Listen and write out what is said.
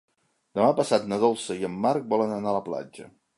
Demà passat na Dolça i en Marc volen anar a la platja.